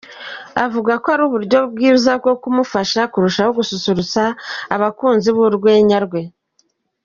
com avuga ko uburyo bwiza bwo kumufasha kurushaho gususurutsa abakunzi b’urwenya rwe.